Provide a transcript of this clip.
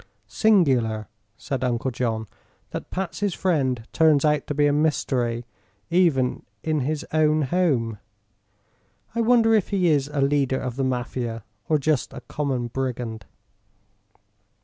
"Singular," said Uncle John, "that Patsy's friend turns out to be a mystery, even in his own home. I wonder if he is a leader of the Mafia, or just a common brigand?"